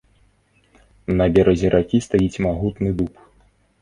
На беразе ракі стаіць магутны дуб.